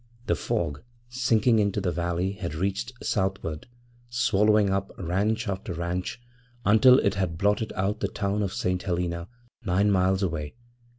The fog, sinking into the valley, had reached southward, swallowing up ranch after ranch, until it had blotted out the town of St. Helena, nine miles away.